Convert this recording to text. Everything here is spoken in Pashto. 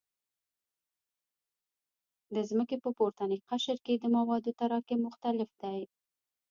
د ځمکې په پورتني قشر کې د موادو تراکم مختلف دی